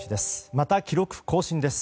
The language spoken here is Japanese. また記録更新です。